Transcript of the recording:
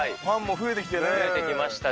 増えてきましたし。